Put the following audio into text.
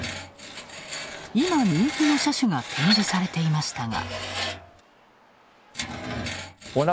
今人気の車種が展示されていましたが。